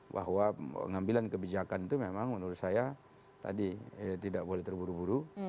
bahwa pengambilan kebijakan itu memang menurut saya tadi tidak boleh terburu buru